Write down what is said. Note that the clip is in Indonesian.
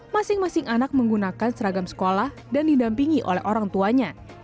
masing masing anak menggunakan seragam sekolah dan didampingi oleh orang tuanya